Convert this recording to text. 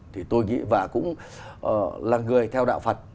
thì tôi nghĩ và cũng là người theo đạo phật